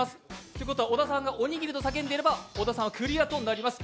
ということは小田さんがおにぎりと叫んでいれば小田さんはクリアとなります。